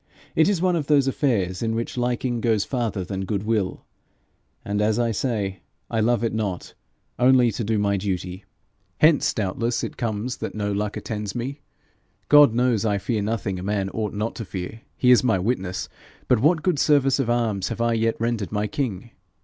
It is one of those affairs in which liking goes farther than goodwill, and as I say, I love it not, only to do my duty. Hence doubtless it comes that no luck attends me. God knows I fear nothing a man ought not to fear he is my witness but what good service of arms have I yet rendered my king?